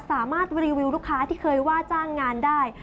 สามารถรีวิวลูกค้าที่เคยว่าจ้างงานได้